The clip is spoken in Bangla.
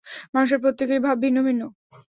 মানুষের প্রত্যেকেরই ভাব ভিন্ন ভিন্ন।